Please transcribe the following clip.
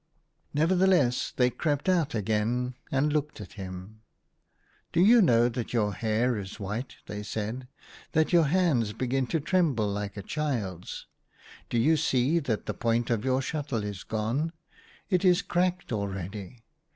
Nevertheless they crept out again and looked at him. " Do you know that your hair is white ?" they said, " that your hands begin to tremble like a child's ? Do you see that the point of your shuttle is gone? — it is cracked already.